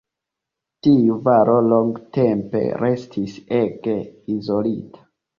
Tiu valo longtempe restis ege izolita.